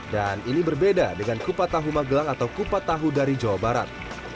dan ini berbeda dengan kupat tahu magelang atau kupat tahu dari jawa barat